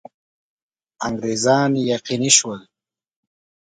انګرېزان یقیني شول.